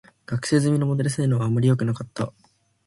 学習済みモデルの性能は、あまりよくなかった。